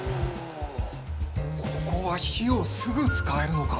ここは火をすぐ使えるのか。